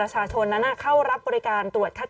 กล้องกว้างอย่างเดียว